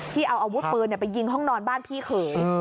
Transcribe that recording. ที่เอาอาวุธปืนไปยิงห้องนอนบ้านพี่เขย